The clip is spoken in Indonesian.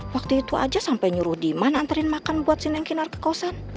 waktu itu aja sampe nyuruh dima nantarin makan buat si neng kinar ke kawasan